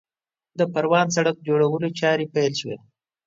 د پروان سړک جوړولو چارې پیل شوې